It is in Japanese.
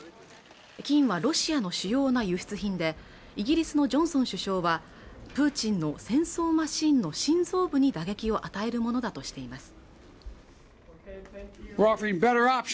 金はロシアの主要な輸出品でイギリスのジョンソン首相はプーチンの戦争マシーンの心臓部に打撃を与えるものだとしています